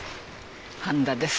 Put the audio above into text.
飯田です。